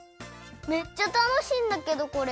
めっちゃたのしいんだけどこれ。